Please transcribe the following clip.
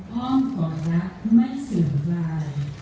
ห้องก่อนรักไม่เสื่อมลาย